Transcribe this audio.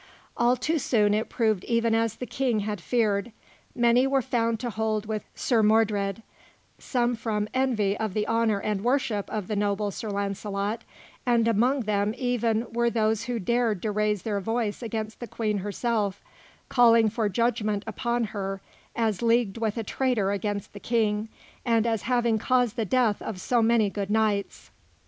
All too soon it proved even as the King had feared. Many were found to hold with Sir Mordred; some from envy of the honour and worship of the noble Sir Launcelot; and among them even were those who dared to raise their voice against the Queen herself, calling for judgment upon her as leagued with a traitor against the King, and as having caused the death of so many good knights.